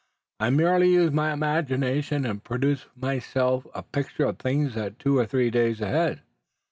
"I merely use my imagination and produce for myself a picture of things two or three days ahead."